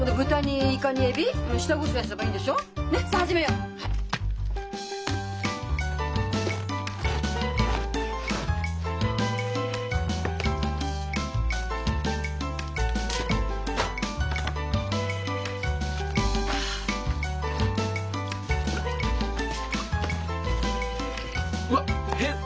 うわっ！